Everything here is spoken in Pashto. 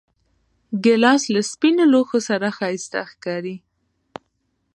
ګیلاس له سپینو لوښو سره ښایسته ښکاري.